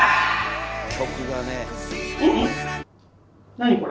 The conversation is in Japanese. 何これ。